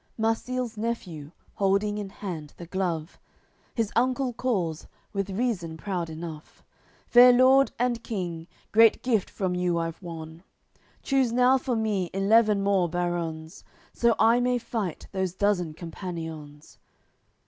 AOI. LXX Marsile's nephew, holding in hand the glove, His uncle calls, with reason proud enough: "Fair Lord and King, great gift from you I've won. Choose now for me eleven more baruns, So I may fight those dozen companions."